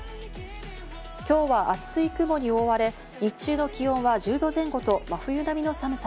今日は厚い雲に覆われ、日中の気温は１０度前後と真冬並みの寒さ